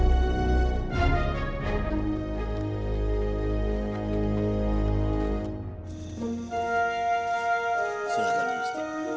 pantai kandalkan tempatnya ya